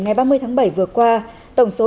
ngày ba mươi tháng bảy vừa qua tổng số